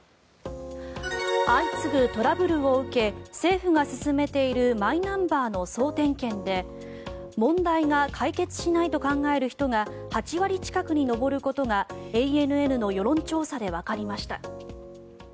相次ぐトラブルを受け政府が進めているマイナンバーの総点検で問題が解決しないと考える人が８割近くに上ることがＡＮＮの世論調査でわかりました。